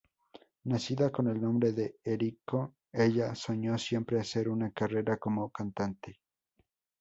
Nacida con el nombre de Eriko, ella soñó siempre hacer una carrera como cantante.